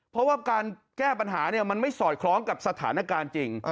เพราะว่าการแก้ปัญหามันไม่สอดคล้องกับสถานการณ์จริง